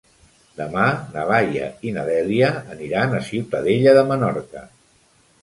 Demà na Laia i na Dèlia aniran a Ciutadella de Menorca.